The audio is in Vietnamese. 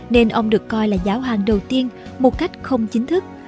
nên ông được coi là giáo hàng đầu tiên một cách không chính thức